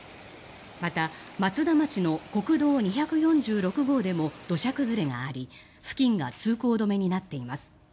また、松田町の国道２４６号でも土砂崩れがあり付近が通行止めになっています。